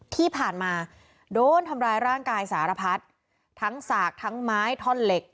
ที่ผ่านมาโดนทำร้ายร่างกายสารพัดทั้งสากทั้งไม้ท่อนเหล็ก